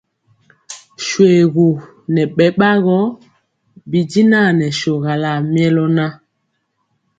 Shoégu nɛ bɛbagɔ bijinan nɛ shogala milœ nan.